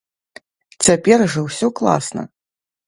Цяпер жа ўсё класна!